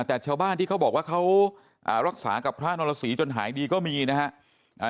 แต่ชาวบ้านที่เขาบอกว่าเขารักษากับพระนรสีจนหายดีก็มีนะฮะ